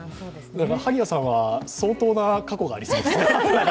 萩谷さんは相当な過去がありそうですね。